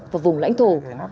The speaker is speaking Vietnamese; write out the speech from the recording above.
và vùng lãnh thổ